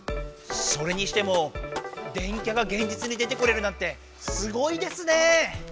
それにしても電キャがげんじつに出てこれるなんてすごいですね。